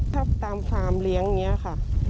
ถ้าตามฟาร์มเลี้ยงอย่างนี้ค่ะ